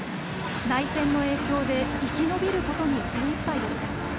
内戦の影響で生き延びることに精いっぱいでした。